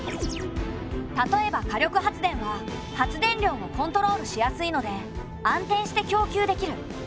例えば火力発電は発電量をコントロールしやすいので安定して供給できる。